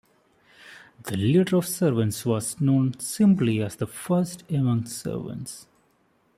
The leader of the Servants was known simply as the First Amongst Servants.